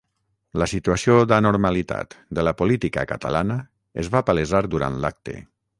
La situació d’anormalitat de la política catalana es va palesar durant l’acte.